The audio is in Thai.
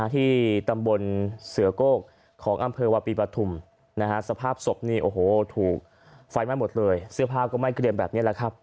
ที่ตำบลเสือโก้กของอำเภอวาปีปฐุมสภาพศพนี่โอ้โหถูกไฟไหม้หมดเลยเสื้อผ้าก็ไหม้เกรียมแบบนี้แหละครับ